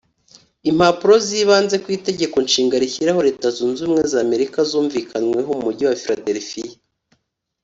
Impapuro z’ibanze ku itegekonshinga rishyiraho Leta zunze ubumwe z’Amerika zumvikanweho mu mugi wa Philadelphia